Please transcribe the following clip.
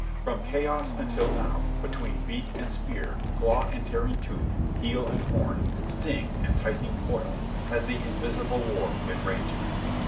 From Chaos until now, between beak and spear; claw and tearing tooth; heel and horn; sting and tightening coil, has the invisible war been waging.